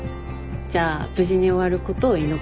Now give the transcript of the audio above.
じゃあ無事に終わることを祈ってる。